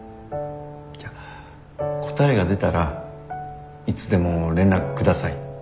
じゃあ答えが出たらいつでも連絡下さい。